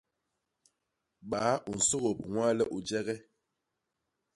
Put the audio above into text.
Baa u nsôgôp ñwaa le u jek e?